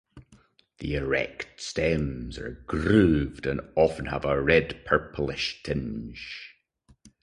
The erect stems are grooved and often have a red-purplish tinge.